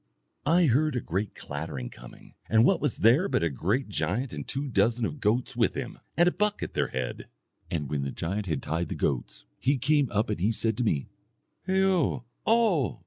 I heard a great clattering, coming, and what was there but a great giant and two dozen of goats with him, and a buck at their head. And when the giant had tied the goats, he came up and he said to me, 'Hao O!